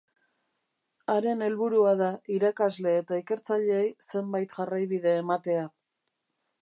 Haren helburua da irakasle eta ikertzaileei zenbait jarraibide ematea.